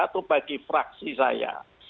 atau bagi fraksi saya